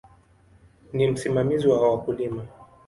Ni msimamizi wa wakulima.